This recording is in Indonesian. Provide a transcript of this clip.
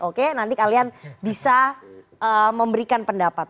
oke nanti kalian bisa memberikan pendapat